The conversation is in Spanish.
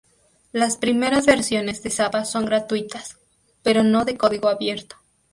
Las primeras versiones de Zappa son gratuitas, pero no de código abierto.